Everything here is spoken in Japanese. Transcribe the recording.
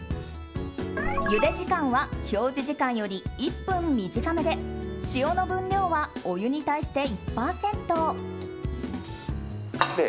ゆで時間は表示時間より１分短めで塩の分量はお湯に対して１％。